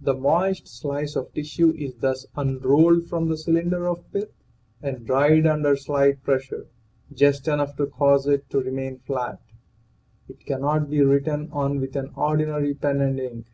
The moist slice of tissue is thus unrolled from the cylinder of pith and dried under slight pressure just enough to cause it to remain flat. It cannot be written on with an ordinary pen and ink.